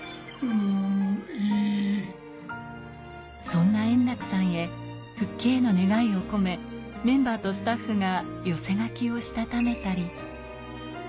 そんな円楽さんへ、復帰への願いを込め、メンバーとスタッフが寄せ書きをしたためたり。